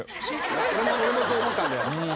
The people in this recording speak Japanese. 俺もそう思ったんだよ。